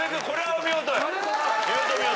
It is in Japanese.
お見事お見事。